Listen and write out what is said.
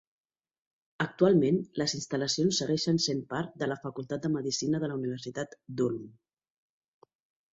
Actualment, les instal·lacions segueixen sent part de la facultat de Medicina de la Universitat d'Ulm.